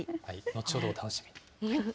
後ほどお楽しみに。